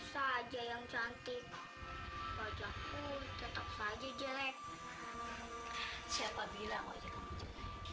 sampai jumpa di video selanjutnya